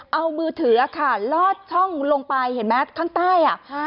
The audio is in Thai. เอามือถือค่ะลอดช่องลงไปเห็นไหมข้างใต้